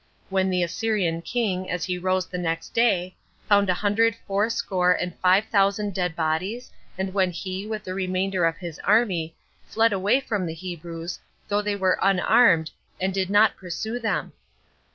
when the Assyrian king, as he rose the next day, found a hundred fourscore and five thousand dead bodies, and when he, with the remainder of his army, fled away from the Hebrews, though they were unarmed, and did not pursue them.